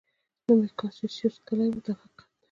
نوم یې کاسیوس کلي و دا حقیقت دی.